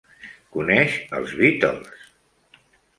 Coneix els Beatles!